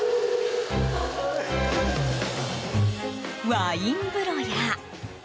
ワイン風呂や。